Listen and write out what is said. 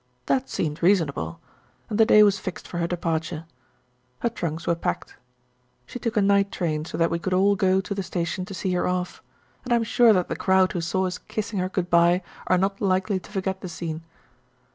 That seemed reasonable, and the day was fixed for her departure. Her trunks were packed. She took a night train so that we could all go to the station to see her off, and I am sure that the crowd who saw us kissing her good bye are not likely to forget the scene.